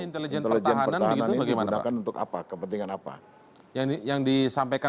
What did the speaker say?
kalau alasannya intelijen pertahanan begitu bagaimana pak